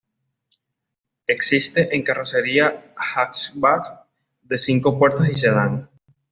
Existe en carrocería hatchback de cinco puertas y sedan.